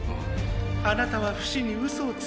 あなたはフシに嘘をつきましたね。